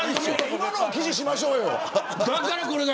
今のは記事にしましょうよ。